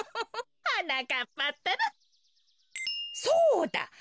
そうだ！